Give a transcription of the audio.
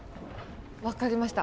分かりました。